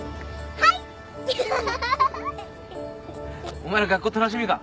お前ら学校楽しみか。